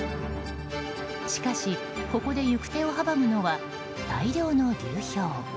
しかし、ここで行く手を阻むのは大量の流氷。